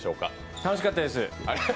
楽しかったです。